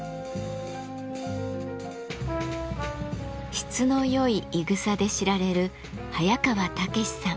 質のよいいぐさで知られる早川猛さん。